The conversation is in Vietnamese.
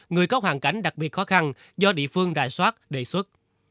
người có hoàn cảnh đặc biệt khó khăn do địa phương rà soát đề xuất